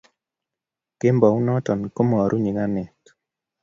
kembounoto komaru nyikanet